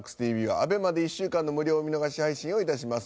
ＡＢＥＭＡで１週間の無料見逃し配信をいたします。